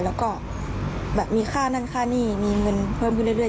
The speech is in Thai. แล้วก็แบบมีค่านั่นค่านี่มีเงินเพิ่มขึ้นเรื่อย